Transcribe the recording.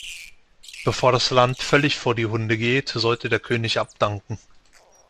Bevor das Land völlig vor die Hunde geht, sollte der König abdanken.